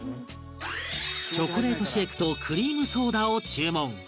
チョコレートシェイクとクリームソーダを注文